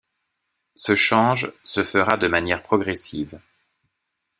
Ce change se fera de manière progressive.